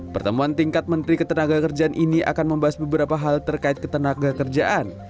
pertemuan tingkat menteri ketenaga kerjaan ini akan membahas beberapa hal terkait ketenaga kerjaan